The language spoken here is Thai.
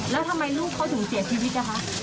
แล้วทำไมลูกเขาถึงเสียชีวิตนะคะ